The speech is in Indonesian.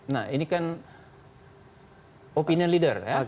nah ini kan opinion leader ya